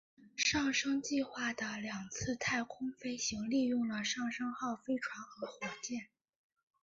上升计划的两次太空飞行利用了上升号飞船和火箭。